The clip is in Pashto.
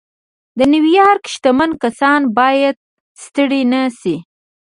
د نيويارک شتمن کسان بايد ستړي نه شي.